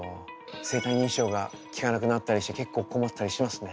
生体認証が効かなくなったりして結構困ったりしますね。